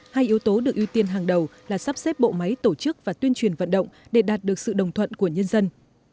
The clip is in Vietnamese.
hai yếu tố được ưu tiên hàng đầu là sắp xếp bộ máy tổ chức và tuyên truyền vận động để đạt được sự đồng thuận của nhân dân